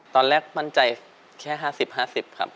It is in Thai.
ตอนแรกมั่นใจแค่๕๐๕๐ครับ